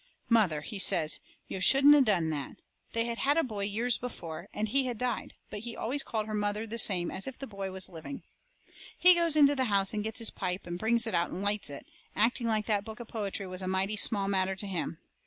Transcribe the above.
"Mother," he says, "yo' shouldn't have done that!" They had had a boy years before, and he had died, but he always called her mother the same as if the boy was living. He goes into the house and gets his pipe, and brings it out and lights it, acting like that book of poetry was a mighty small matter to him.